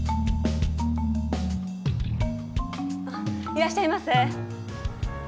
いらっしゃいませ！